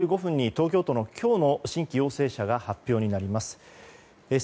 このあと４時４５分に東京都の今日の新規陽性者が発表になります。